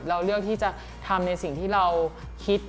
เราเลือกที่จะทำในสิ่งที่เราคิด